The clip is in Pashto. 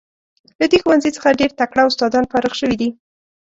له دې ښوونځي څخه ډیر تکړه استادان فارغ شوي دي.